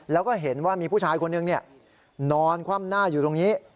แล้วก็เห็นว่ามีผู้ชายคนหนึ่งนอนคว่ำหน้าอยู่ตรงนี้